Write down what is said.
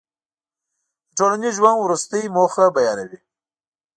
د ټولنیز ژوند وروستۍ موخه بیانوي.